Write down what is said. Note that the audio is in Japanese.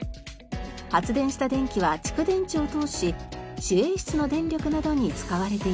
発電した電気は蓄電池を通し守衛室の電力などに使われています。